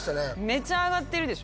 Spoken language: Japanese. めちゃ上がってるでしょ。